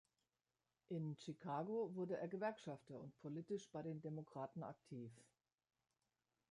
In Chicago wurde er Gewerkschafter und politisch bei den Demokraten aktiv.